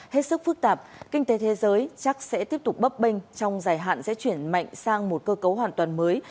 hết sức phức tạp kinh tế thế giới chắc sẽ tiếp tục bấp bênh trong dài hạn sẽ chuyển mạnh sang một cơ cấu hoàn toàn mới